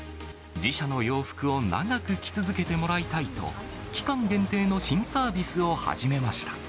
自社の洋服を長く着続けてもらいたいと、期間限定の新サービスを始めました。